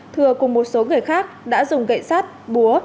thừa cùng một số người khác đã dùng gậy sát búa